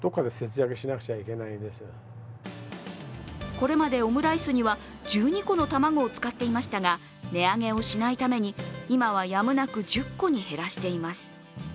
これまで、オムライスには１２個の卵を使っていましたが値上げをしないために、今はやむなく１０個に減らしています。